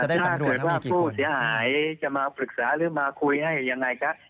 ถ้าเกิดว่าผู้เสียหายจะมาปรึกษาหรือมาคุยให้ยังไงก็